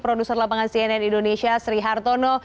bergabung bersama kami produser lapangan cnn indonesia sri hartono